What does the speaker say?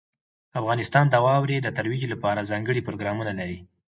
افغانستان د واورې د ترویج لپاره ځانګړي پروګرامونه لري.